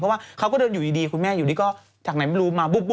เพราะว่าเขาก็เดินอยู่ดีคุณแม่อยู่ดีก็จากไหนไม่รู้มาปุ๊บ